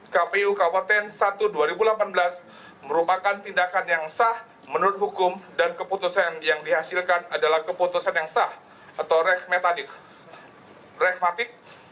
kpu kabupaten satu dua ribu delapan belas merupakan tindakan yang sah menurut hukum dan keputusan yang dihasilkan adalah keputusan yang sah atau regmatik